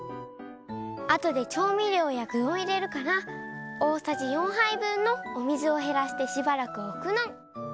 あとで調味料や具をいれるから大さじ４はいぶんのお水をへらしてしばらくおくの。